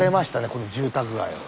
この住宅街を。